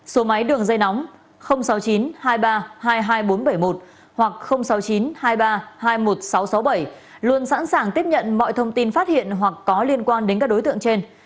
số máy đường dây nóng sáu mươi chín hai mươi ba hai mươi hai nghìn bốn trăm bảy mươi một hoặc sáu mươi chín hai mươi ba hai mươi một nghìn sáu trăm sáu mươi bảy luôn sẵn sàng tiếp nhận mọi thông tin phát hiện hoặc có liên quan đến các đối tượng trên